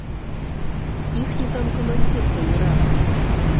Іхні там камандзір памірае.